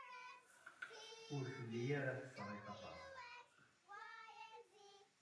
Ur telli ara tettṣerrif aṭas.